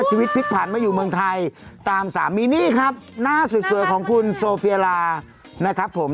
ชีวิตพลิกผันมาอยู่เมืองไทยตามสามีนี่ครับหน้าสวยของคุณโซเฟียลานะครับผม